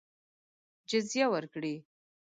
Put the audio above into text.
جزیه ورکړي.